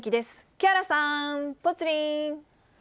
木原さん、ぽつリン。